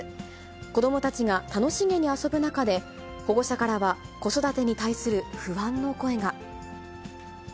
子どもたちが楽しげに遊ぶ中で、保護者からは子育てに対する不安の声が。